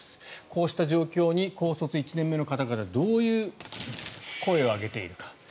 こうした状況に高卒１年目の方々どういう声を上げているか。